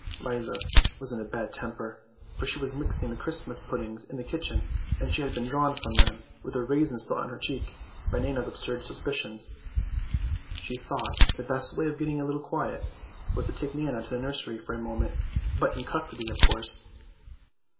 Liza was in a bad temper, for she was mixing the Christmas puddings in the kitchen, and had been drawn from them, with a raisin still on her cheek, by Nana's absurd suspicions. She thought the best way of getting a little quiet was to take Nana to the nursery for a moment, but in custody of course.